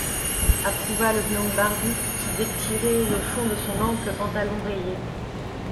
Approuva le gnome barbu, qui détirait le fond de son ample pantalon rayé.